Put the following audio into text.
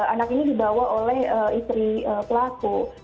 anak ini dibawa oleh istri pelaku